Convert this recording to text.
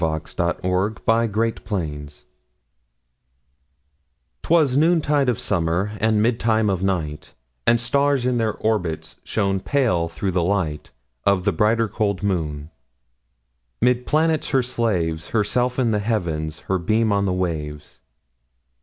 1827 Evening Star 'Twas noontide of summer, And midtime of night, And stars, in their orbits, Shone pale, through the light Of the brighter, cold moon. 'Mid planets her slaves, Herself in the Heavens, Her beam on the waves.